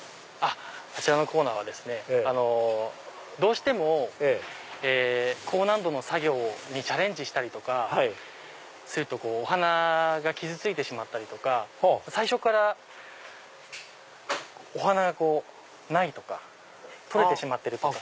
あちらのコーナーはですねどうしても高難度の作業にチャレンジしたりとかするとお花が傷ついてしまったりとか最初からお花がないとか取れてしまってるとか。